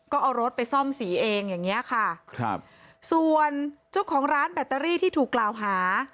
ก็เอารถไปซ่อมสีเองอย่างเงี้ยค่ะครับส่วนเจ้าของร้านแบตเตอรี่ที่ถูกกล่าวหา